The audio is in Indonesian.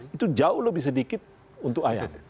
itu jauh lebih sedikit untuk ayahnya